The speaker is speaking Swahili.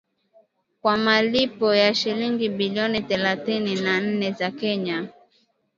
kwa malipo ya shilingi bilioni thelathini na nne za Kenya